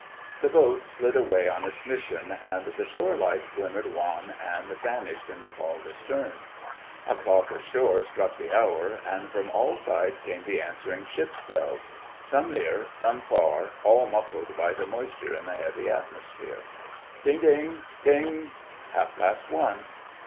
The boat slid away on its mission, and the shore lights glimmered wan and vanished in the fog astern. A clock ashore struck the hour, and from all sides came the answering ships' bells—some near, some far, all muffled by the moisture in the heavy atmosphere. Ding ding! Ding! Half past one.